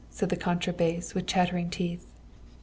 said the contra bass, with chattering teeth.